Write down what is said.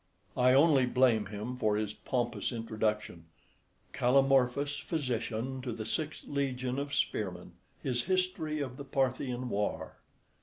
I only blame him for his pompous introduction: "Callimorphus, physician to the sixth legion of spearmen, his history of the Parthian war."